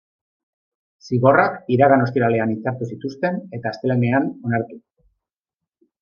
Zigorrak iragan ostiralean hitzartu zituzten, eta astelehenean onartu.